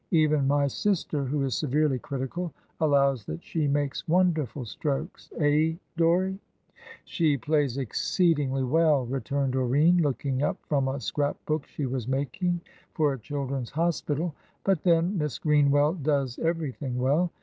Even my sister, who is severely critical, allows that she makes wonderful strokes; eh, Dorrie?" "She plays exceedingly well," returned Doreen, looking up from a scrap book she was making for a children's hospital. "But then, Miss Greenwell does everything well.